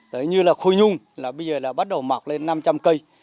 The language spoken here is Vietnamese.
đấy như là khôi nhung là bây giờ là bắt đầu mọc lên năm trăm linh cây